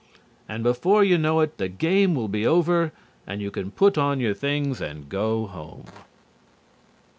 And before you know it, the game will be over and you can put on your things and go home.